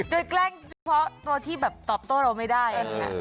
โดยแกล้งเฉพาะตัวที่แบบตอบโต้เราไม่ได้